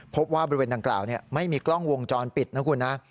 พบว่าบริเวณดังกล่าวไม่มีกล้องวงจรปิดนะคุณนะ